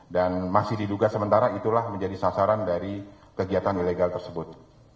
dan masih diduga sementara itulah menjadi sasaran dari kegiatan ilegal tersebut